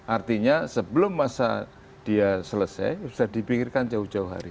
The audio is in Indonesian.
artinya sebelum masa dia selesai bisa dipikirkan jauh jauh hari